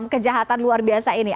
kejahatan luar biasa ini